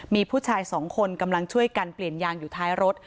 มีผู้ชายสองคนกำลังช่วยกันเปลี่ยนยางอยู่ท้ายรถ